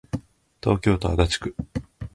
東京都足立区